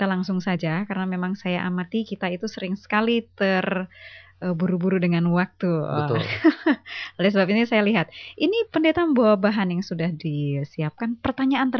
aku akan bahagia bersama tuhan